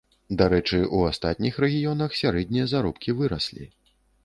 Дарэчы, у астатніх рэгіёнах сярэднія заробкі выраслі.